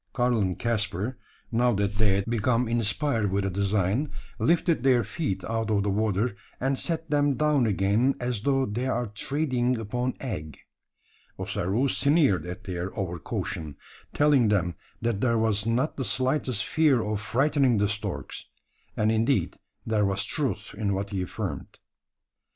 Karl and Caspar now that they had become inspired with a design lifted their feet out of the water, and set them down again, as though they ere treading upon egg. Ossaroo sneered at their over caution telling them, that there was not the slightest fear of frightening the storks; and indeed there was truth in what he affirmed.